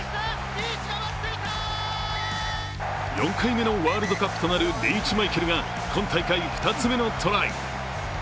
４回目のワールドカップとなるリーチマイケルが今大会２つ目のトライ。